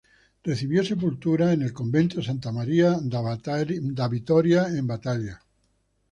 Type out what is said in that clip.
Recibió sepultura en el convento de Santa María da Vitoria en Batalha.